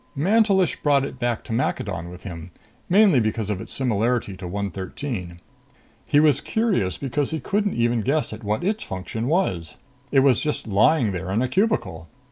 "Mantelish brought it back to Maccadon with him, mainly because of its similarity to 113. He was curious because he couldn't even guess at what its function was. It was just lying there in a cubicle.